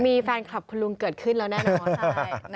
มีแฟนคลับคุณลุงเกิดขึ้นแล้วแน่นอน